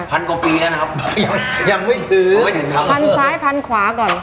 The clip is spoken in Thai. พันกว่าปีแล้วนะครับยังไม่ถึงพันสายพันขวาก่อน